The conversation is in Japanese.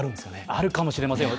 あるかもしれませんよ。